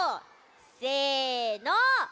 せの！